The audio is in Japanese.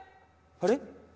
あれ？